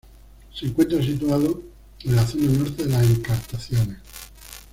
Se encuentra situado en la zona norte de las Encartaciones.